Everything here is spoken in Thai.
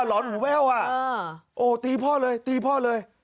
เออหลอนหูแว้วอ่ะตีพ่อเลยตีพ่อเลย